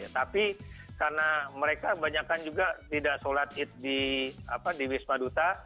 tapi karena mereka banyak juga tidak sholat id di bismaduta